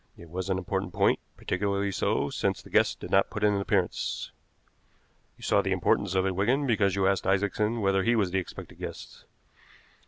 It was an important point, particularly so since the guest did not put in an appearance. You saw the importance of it, Wigan, because you asked Isaacson whether he was the expected guest.